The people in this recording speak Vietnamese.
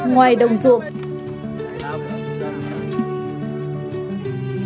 ngoài đồng ruộng